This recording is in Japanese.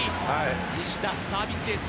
西田、サービスエース